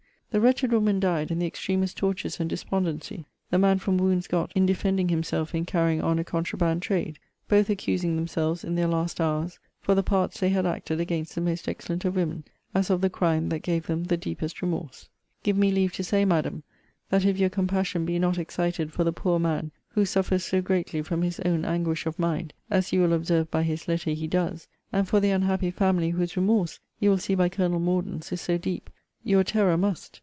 The wretched woman died in the extremest tortures and despondency: the man from wounds got in defending himself in carrying on a contraband trade; both accusing themselves, in their last hours, for the parts they had acted against the most excellent of women, as of the crime that gave them the deepest remorse. Give me leave to say, Madam, that if your compassion be not excited for the poor man who suffers so greatly from his own anguish of mind, as you will observe by his letter he does; and for the unhappy family, whose remorse, you will see by Colonel Morden's, is so deep; your terror must.